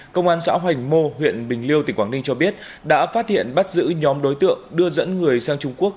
công an xã hoành mô huyện bình liêu tỉnh quảng ninh cho biết đã phát hiện bắt giữ nhóm đối tượng đưa dẫn người sang trung quốc